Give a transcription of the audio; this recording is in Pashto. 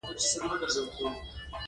پسه د خیر او برکت سبب دی.